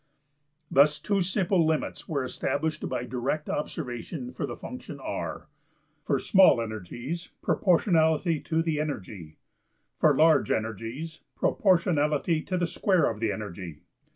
Thus two simple limits were established by direct observation for the function $R$: for small energies proportionality to the energy, for large energies proportionality to the square of the energy.